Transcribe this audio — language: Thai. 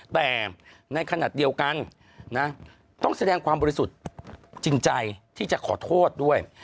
แต่ในขณะเดียวกันนะต้องแสดงความบริสุทธิ์จริงใจที่จะขอโทษด้วย